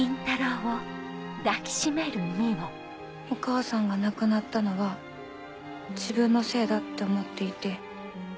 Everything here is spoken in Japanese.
お母さんが亡くなったのは自分のせいだって思っていて。